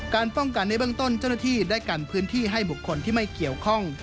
ป้องกันในเบื้องต้นเจ้าหน้าที่ได้กันพื้นที่ให้บุคคลที่ไม่เกี่ยวข้อง